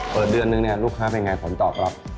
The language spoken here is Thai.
เปิดเดือนหนึ่งลูกค้าเป็นอย่างไรผมตอบครับ